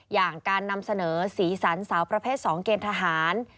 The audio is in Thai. อย่างการนำเสนอสีสันสาวประเภท๒เกณฑ์ทหาร